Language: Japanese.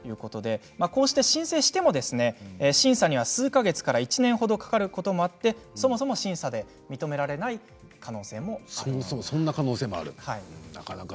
こうして申請しても審査には数か月から１年ほどかかることもあってそもそも審査で認められない可能性もあるそうです。